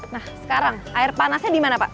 nah sekarang air panasnya di mana pak